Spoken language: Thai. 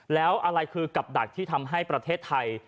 แล้วอะไรคือกับดักที่ทำให้ประเทศไทย